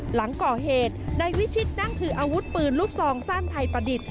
หลังก่อเหตุนายวิชิตนั่งถืออาวุธปืนลูกซองสั้นไทยประดิษฐ์